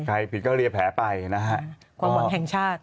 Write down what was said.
ความหวังแห่งชาติ